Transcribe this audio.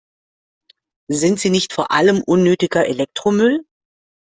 Sind sie nicht vor allem unnötiger Elektromüll?